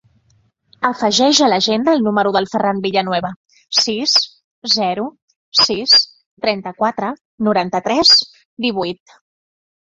Afegeix a l'agenda el número del Ferran Villanueva: sis, zero, sis, trenta-quatre, noranta-tres, divuit.